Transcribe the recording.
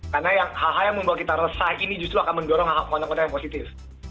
karena yang ha ha yang membuat kita resah ini justru akan mendorong konten konten yang positif